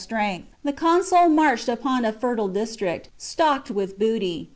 Strength, the consul marched upon a fertile district, ■ well stocked with booty.